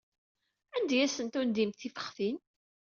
Anda ay asent-tendimt tifextin?